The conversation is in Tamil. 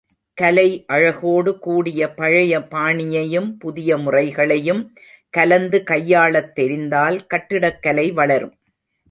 கலை அழகோடு கூடிய பழைய பாணியையும் புதிய முறைகளையும் கலந்து கையாளத் தெரிந்தால் கட்டிடக் கலை வளரும்.